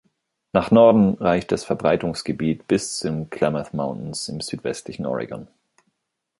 Nach Norden reicht das Verbreitungsgebiet bis zu den Klamath Mountains im südwestlichen Oregon.